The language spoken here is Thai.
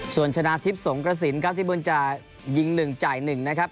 ส่วนชนะทิพย์สงกระสินครับที่บุญจะยิงหนึ่งจ่ายหนึ่งนะครับ